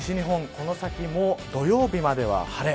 この先も土曜日までは晴れ。